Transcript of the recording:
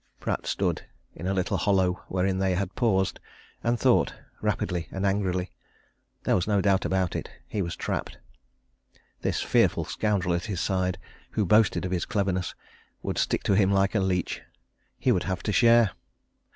Pratt stood, in a little hollow wherein they had paused, and thought, rapidly and angrily. There was no doubt about it he was trapped. This fearful scoundrel at his side, who boasted of his cleverness, would stick to him like a leach he would have to share.